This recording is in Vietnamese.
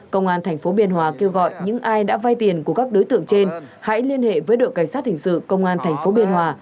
công an thành phố biên hòa kêu gọi những ai đã vay tiền của các đối tượng trên hãy liên hệ với đội cảnh sát hình sự công an thành phố biên hòa